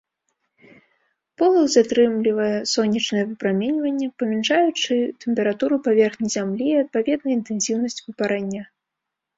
Полаг затрымлівае сонечнае выпраменьванне, памяншаючы тэмпературу паверхні зямлі і, адпаведна, інтэнсіўнасць выпарэння.